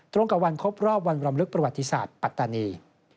ตรงกับวันครบรอบวันรำลึกประวัติศาสตร์ปัตตานี